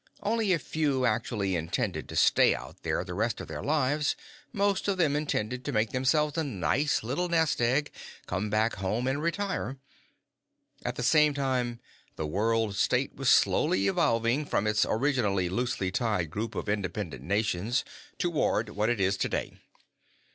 Only a few actually intended to stay out there the rest of their lives; most of them intended to make themselves a nice little nest egg, come back home, and retire. At the same time, the World State was slowly evolving from its original loosely tied group of independent nations toward what it is today.